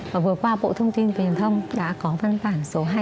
và vừa qua bộ thông tin và truyền thông đã có văn bản số hai nghìn tám trăm bốn mươi một